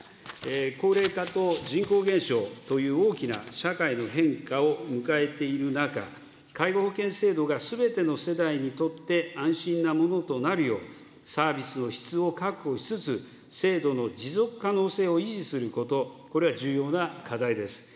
高齢化と人口減少という大きな社会の変化を迎えている中、介護保険制度がすべての世代にとって、安心なものとなるよう、サービスの質を確保しつつ、制度の持続可能性を維持すること、これが重要な課題です。